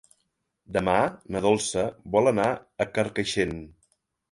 Demà na Dolça vol anar a Carcaixent.